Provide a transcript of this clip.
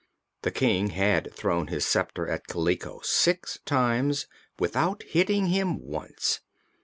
The King had thrown his sceptre at Kaliko six times, without hitting him once.